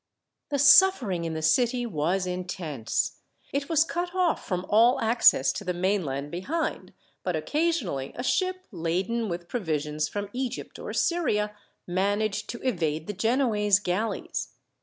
The suffering in the city was intense. It was cut off from all access to the mainland behind, but occasionally a ship, laden with provisions from Egypt or Syria, managed to evade the Genoese galleys.